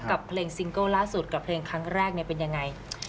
กับเพลงซิงเกิลล่าสุดกับเพลงครั้งแรกเป็นยังไง